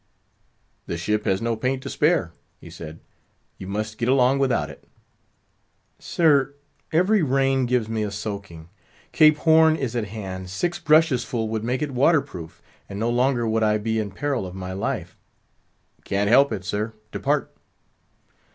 "The ship has no paint to spare," he said; "you must get along without it." "Sir, every rain gives me a soaking; Cape Horn is at hand—six brushes full would make it waterproof; and no longer would I be in peril of my life!" "Can't help it, sir; depart!"